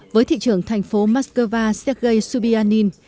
với thị trưởng thành phố moscow sergei subianin